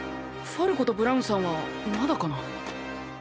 ファルコとブラウンさんはまだかな？